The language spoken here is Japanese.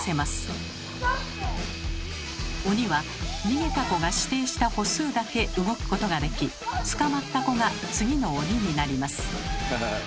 鬼は逃げた子が指定した歩数だけ動くことができ捕まった子が次の鬼になります。